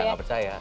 iya gak percaya